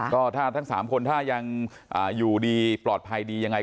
ก็ถ้าทั้ง๓คนถ้ายังอยู่ดีปลอดภัยดียังไง